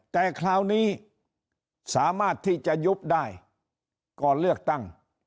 แต่คราวนี้สามารถที่จะยุบได้ก่อนเลือกตั้ง